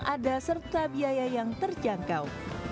ada serta biaya yang terjangkau